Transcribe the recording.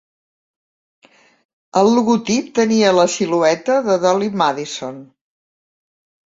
El logotip tenia la silueta de Dolly Madison.